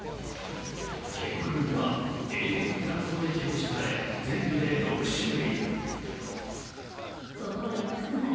警告文は英語とフランス語で表示され、全部で６種類。